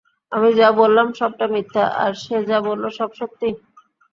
আমি যা বললাম সবটা মিথ্যা, আর সে যা বললো সব সত্যি?